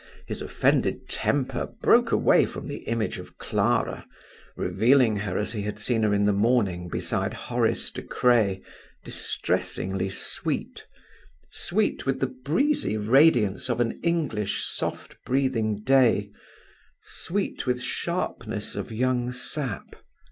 His offended temper broke away from the image of Clara, revealing her as he had seen her in the morning beside Horace De Craye, distressingly sweet; sweet with the breezy radiance of an English soft breathing day; sweet with sharpness of young sap.